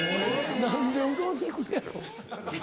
・何でうどんに行くねやろ？